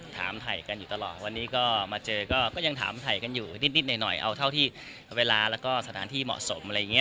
ถ่ายกันอยู่ตลอดวันนี้ก็มาเจอก็ยังถามถ่ายกันอยู่นิดหน่อยเอาเท่าที่เวลาแล้วก็สถานที่เหมาะสมอะไรอย่างนี้